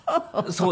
そう。